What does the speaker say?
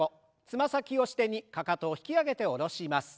つま先を支点にかかとを引き上げて下ろします。